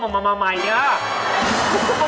อ๋อมาใหม่นี่ครับ